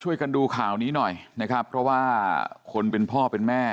ช่วยกันดูข่าวนี้หน่อยนะครับเพราะว่าคนเป็นพ่อเป็นแม่